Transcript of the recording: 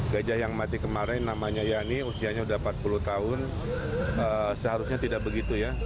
gajah yang mati kemarin namanya yani usianya sudah empat puluh tahun seharusnya tidak begitu ya